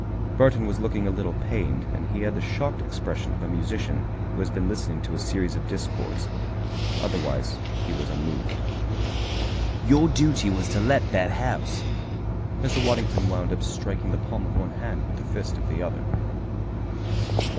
Burton was looking a little pained and he had the shocked expression of a musician who has been listening to a series of discords. Otherwise he was unmoved. "Your duty was to let that house," Mr. Waddington wound up, striking the palm of one hand with the fist of the other.